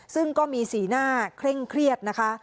ซึ่งก็มีสีหน้าเคร่งเครียดนะคะ